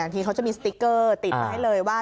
ทีเขาจะมีสติ๊กเกอร์ติดมาให้เลยว่า